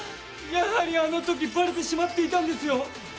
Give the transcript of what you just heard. やはりあのときバレてしまっていたんですよ